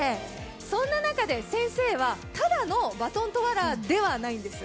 そんな中で先生は、ただのバトントワラーではないんです。